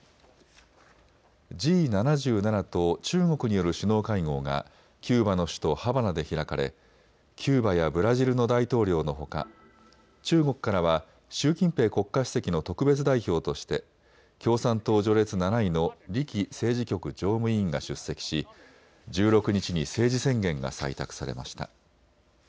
Ｇ７７と中国による首脳会合がキューバの首都ハバナで開かれキューバやブラジルの大統領のほか中国からは習近平国家主席の特別代表として共産党序列７位の李希政治局常務委員が出席し１６日に政治宣言が採択されました。